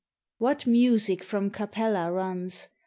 What music from Capella runs?